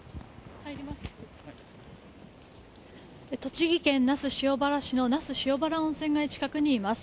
栃木県那須塩原市の那須塩原温泉街近くにいます。